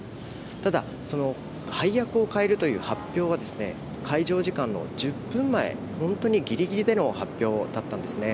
ただ、配役を変えるという発表が開場時間の１０分前、本当にギリギリでの発表だったんですね。